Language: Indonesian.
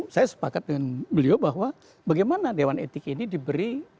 saya sepakat dengan beliau bahwa bagaimana dewan etik ini diberi